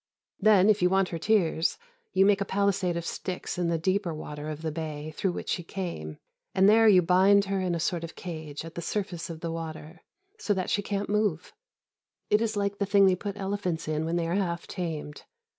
Then, if you want her tears, you make a palisade of sticks in the deeper water of the bay through which she came, and there you bind her in a sort of cage, at the surface of the water, so that she can't move. It is like the thing they put elephants in when they are half tamed.